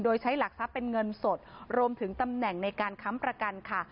โดยใช้หลักทรัพย์เป็นเงินสดรวมถึงตำแหน่งในการค้ำประกันค่ะ